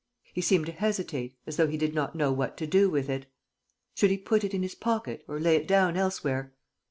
He seemed to hesitate, as though he did not know what to do with it. Should he put it in his pocket or lay it down elsewhere?